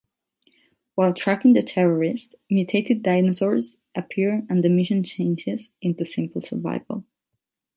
While tracking the terrorists, mutated dinosaurs appear and the mission changes into simple survival.